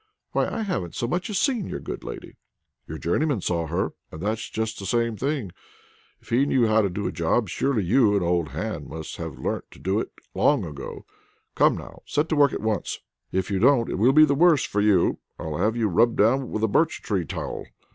"Why I haven't so much as seen your good lady." "Your journeyman saw her, and that's just the same thing. If he knew how to do the job, surely you, an old hand, must have learnt how to do it long ago. Come, now, set to work at once. If you don't, it will be the worse for you. I'll have you rubbed down with a birch tree towel."